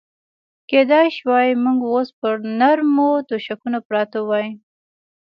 کېدای شوای موږ اوس پر نرمو تشکونو پراته وای.